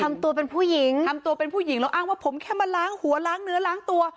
ทำตัวเป็นผู้หญิงทำตัวเป็นผู้หญิงแล้วอ้างว่าผมแค่มาล้างหัวล้างเนื้อล้างตัว